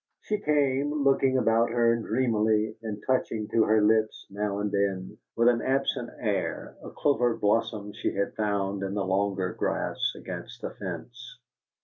She came, looking about her dreamily, and touching to her lips, now and then, with an absent air, a clover blossom she had found in the longer grass against the fence.